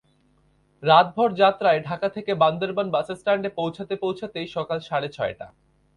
রাতভর যাত্রায় ঢাকা থেকে বান্দরবান বাসস্ট্যান্ডে পৌঁছতে পৌঁছতেই সকাল সাড়ে ছয়টা।